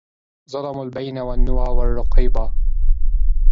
ظلموا البين والنوى والرقيبا